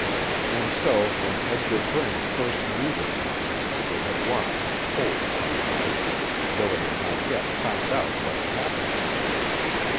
And so when Edgar Braine first knew the town, it had lost its hold upon life, though it had not yet found out what had happened to it.